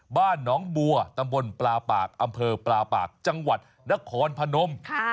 บ้านหนองบัวตำบลปลาปากอำเภอปลาปากจังหวัดนครพนม